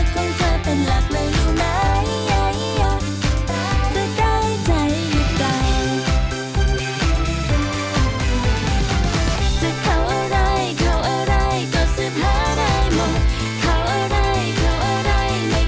คุณหนุ่นไม่ได้บอกว่าคุณหนุ่นเลยบอกว่าคุณหนุ่น